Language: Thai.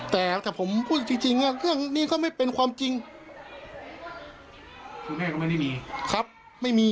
แต่แต่ผมพูดจริงจริงว่าเรื่องนี้ก็ไม่เป็นความจริงคุณแม่ก็ไม่ได้มีครับไม่มี